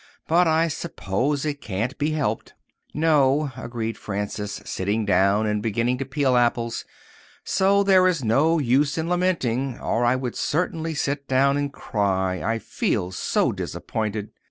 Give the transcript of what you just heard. But I suppose it can't be helped." "No," agreed Frances, sitting down and beginning to peel apples. "So there is no use in lamenting, or I would certainly sit down and cry, I feel so disappointed."